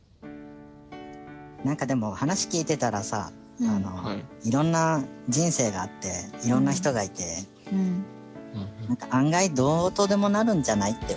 何かでも話聞いてたらさいろんな人生があっていろんな人がいて案外どうとでもなるんじゃない？って思っちゃうんだけどどう？